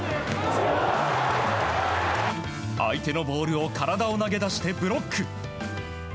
相手のボールを体を投げ出してブロック。